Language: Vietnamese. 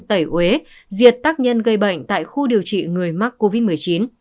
tẩy uế diệt tác nhân gây bệnh tại khu điều trị người mắc covid một mươi chín